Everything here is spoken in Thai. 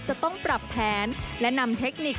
จะต้องปรับแผนและนำเทคนิค